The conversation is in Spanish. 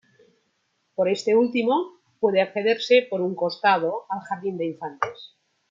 Por este último, puede accederse por un costado al jardín de infantes.